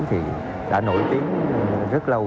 thì đã nổi tiếng rất lâu